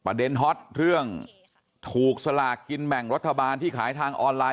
เด็นฮอตเรื่องถูกสลากกินแบ่งรัฐบาลที่ขายทางออนไลน